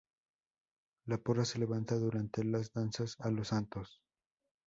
La porra se levanta durante las danzas a los Santos.